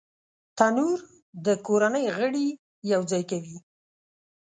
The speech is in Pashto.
تنور د کورنۍ غړي یو ځای کوي